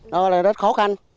nó rất khó khăn